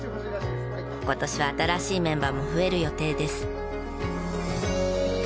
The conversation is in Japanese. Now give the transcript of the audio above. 今年は新しいメンバーも増える予定です。